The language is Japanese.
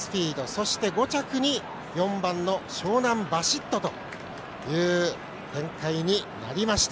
そして、５着に４番ショウナンバシットという展開になりました。